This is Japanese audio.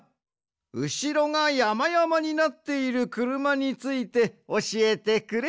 うしろがやまやまになっているくるまについておしえてくれ。